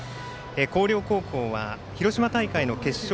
広陵高校は広島大会の決勝